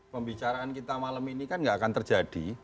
pembicaraan kita malam ini kan tidak akan terjadi